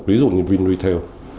ví dụ như vinretail